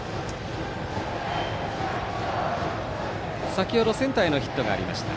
先ほどセンターへのヒットがありました。